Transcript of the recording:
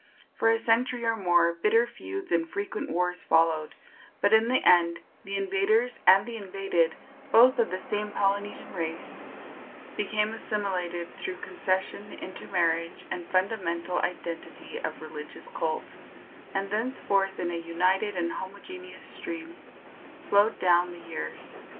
For a century or more bitter feuds and frequent wars followed; but in the end the invaders and the invaded, both of the same Polynesian race, became assimilated through concession, intermarriage and fundamental identity of religious cult, and thenceforth in a united and homogeneous stream flowed down the years.